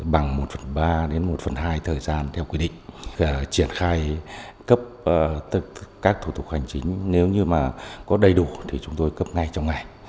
bằng một phần ba đến một phần hai thời gian theo quy định triển khai cấp các thủ tục hành chính nếu như mà có đầy đủ thì chúng tôi cấp ngay trong ngày